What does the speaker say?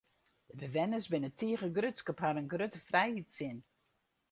De bewenners binne tige grutsk op harren grutte frijheidssin.